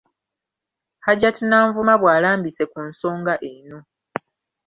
Hajat Nanvuma bw’abalambise ku nsonga eno.